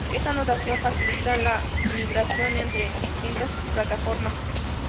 Esta notación facilita la migración entre distintas plataformas.